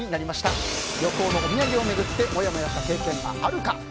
旅行のお土産を巡ってモヤモヤした経験はあるか。